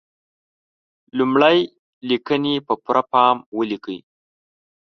لمړی: لیکنې په پوره پام ولیکئ.